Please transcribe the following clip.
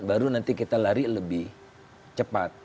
baru nanti kita lari lebih cepat